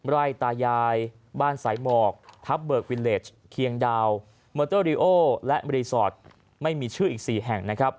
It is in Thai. ตายายบ้านสายหมอกทับเบิกวิเลสเคียงดาวมอเตอร์ริโอและรีสอร์ทไม่มีชื่ออีก๔แห่งนะครับ